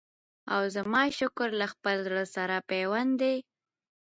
او زما شکر له خپل زړه سره پیوند دی